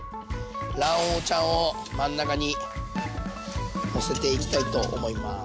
卵黄ちゃんを真ん中にのせていきたいと思います。